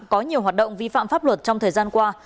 có nhiều hoạt động vi phạm pháp luật trong thời gian qua